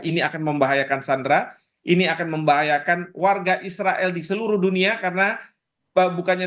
ini akan membahayakan sandra ini akan membahayakan warga israel di seluruh dunia karena bukannya